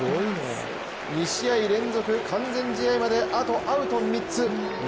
２試合連続、完全試合まであとアウト３つ。